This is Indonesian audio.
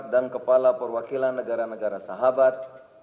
dan kepala perwakilan negara negara sahabat